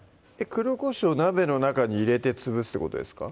黒こしょう鍋の中に入れて潰すってことですか？